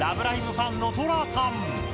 ファンのとらさん。